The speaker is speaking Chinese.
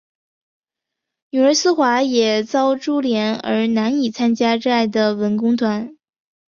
女儿思华也遭株连而难以参加热爱的文工团。